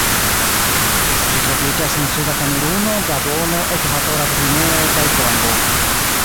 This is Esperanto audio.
Ĝi troviĝas en suda Kameruno, Gabono, Ekvatora Gvineo, kaj Kongo.